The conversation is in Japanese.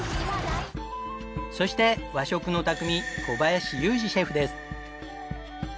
そして和食の匠小林雄二シェフです。